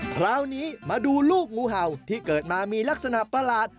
คราวนี้มาดูลูกงูเห่าที่เกิดมามีลักษณะประหลาด